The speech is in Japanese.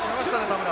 田村。